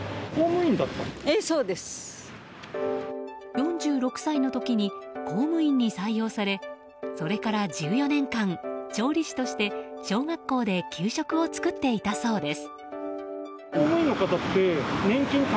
４６歳の時に公務員に採用されそれから１４年間調理師として小学校で給食を作っていたそうです。